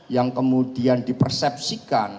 yang kemudian di persepsikan